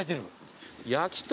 焼き鳥！